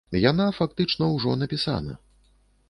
Яна фактычна ўжо напісана.